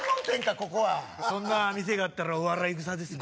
ここはそんな店があったらお笑いぐさですね